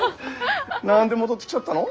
なんで戻ってきちゃったの？